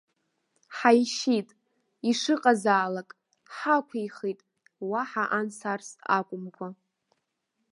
Ҳаишьит, ишыҟазаалак, ҳақәихит, уаҳа анс-арс акәымкәа!